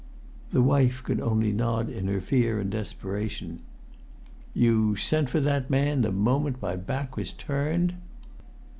The wife could only nod in her fear and desperation. "You sent for that man the moment my back was turned?"